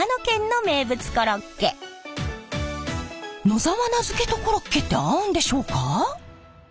野沢菜漬けとコロッケって合うんでしょうか？